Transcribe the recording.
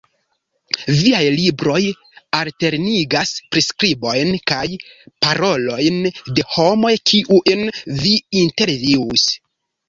Viaj libroj alternigas priskribojn kaj parolojn de homoj kiujn vi intervjuis.